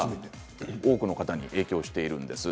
多くの方に影響しているんです。